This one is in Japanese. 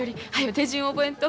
手順を覚えんと。